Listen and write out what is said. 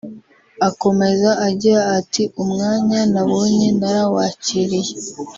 Akomeza agira ati “ Umwanya nabonye narawakiriye